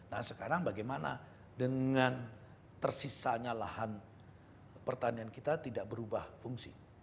nah sekarang bagaimana dengan tersisanya lahan pertanian kita tidak berubah fungsi